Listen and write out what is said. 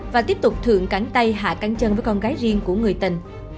và tiếp tục thượng cảnh tay hạ cánh chân với con gái riêng của người tình